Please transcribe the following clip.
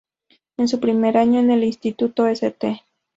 En su primer año en el instituto St.